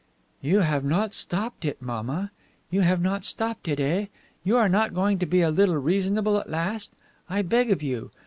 "You have not stopped it, mamma; you have not stopped it, eh? You are not going to be a little reasonable at last? I beg of you!